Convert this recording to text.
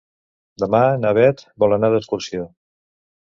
Demà na Beth vol anar d'excursió.